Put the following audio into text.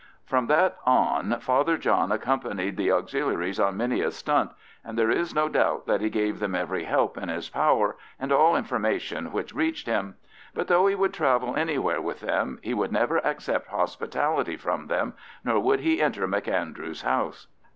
From that on Father John accompanied the Auxiliaries on many a stunt, and there is no doubt that he gave them every help in his power and all information which reached him; but though he would travel anywhere with them, he would never accept hospitality from them, nor would he enter M'Andrew's house.